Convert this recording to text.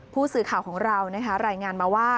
ผู้สื่อข่าวของเรารายงานมาว่า